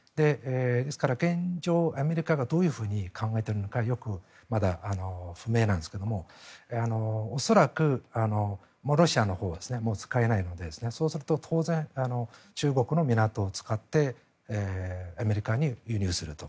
ですから、現状、アメリカがどういうふうに考えているのかはまだ不明なんですが恐らく、ロシアのほうはもう使えないのでそうすると当然中国の港を使ってアメリカに輸入すると。